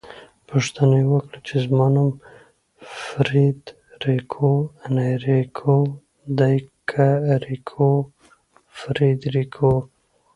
پوښتنه يې وکړه چې زما نوم فریدریکو انریکو دی که انریکو فریدریکو؟